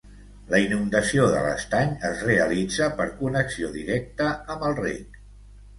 La inundació de l'estany es realitza per connexió directa amb el rec.